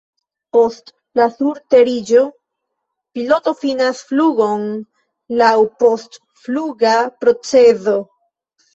Post la surteriĝo, piloto finas flugon laŭ post-fluga procezo.